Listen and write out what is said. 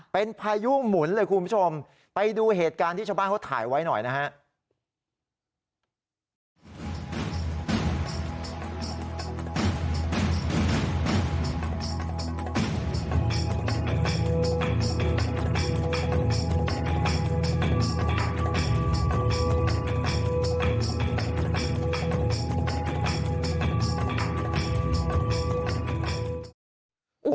เป็นพายุหมุนเลยคุณผู้ชมไปดูเหตุการณ์ที่ชาวบ้านเขาถ่ายไว้หน่อยนะฮะ